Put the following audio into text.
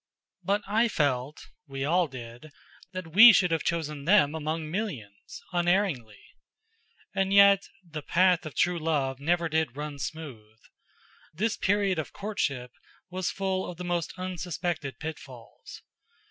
But I felt, we all did, that we should have chosen them among millions, unerringly. And yet "the path of true love never did run smooth"; this period of courtship was full of the most unsuspected pitfalls.